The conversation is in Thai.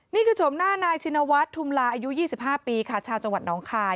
ชมหน้านายชินวัฒน์ทุมลาอายุ๒๕ปีค่ะชาวจังหวัดน้องคาย